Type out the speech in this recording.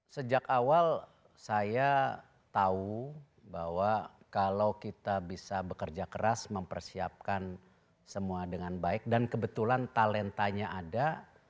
sejak awal saya tahu bahwa kalau kita bisa bekerja keras mempersiapkan semua dengan baik dan kebetulan talentanya ada